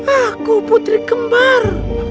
aku putri kembal